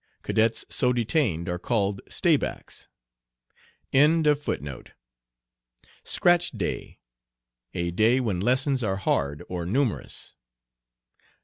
Cadets so detained are called "staybacks. "Scratch day." A day when lessons are hard or numerous.